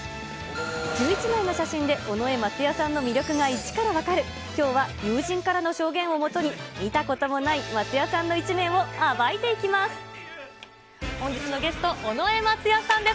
１１枚の写真で尾上松也さんの魅力が１から分かる、きょうは友人からの証言をもとに、見たこともない松也さんの一面を暴いていきます。